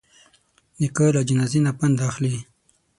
نیکه له جنازې نه پند اخلي.